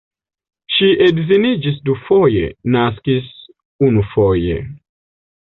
Ŝi edziniĝis dufoje, naskis unufoje.